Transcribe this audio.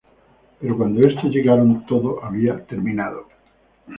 Pero cuando estos llegaron, todo había terminado.